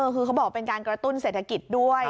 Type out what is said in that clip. คือเขาบอกเป็นการกระตุ้นเศรษฐกิจด้วย